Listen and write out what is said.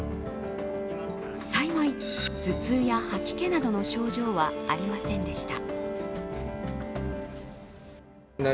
幸い頭痛や吐き気などの症状はありませんでした。